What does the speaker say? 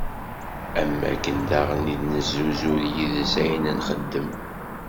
Am wakken daɣen i d-nesuzur yis-s ayen nxeddem.